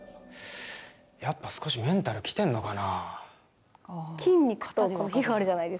やっぱ少し、メンタルきてんのかな。